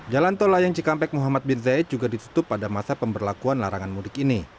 jalan tol layang cikampek muhammad bin zaid juga ditutup pada masa pemberlakuan larangan mudik ini